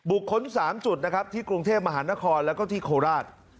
ค้น๓จุดนะครับที่กรุงเทพมหานครแล้วก็ที่โคราช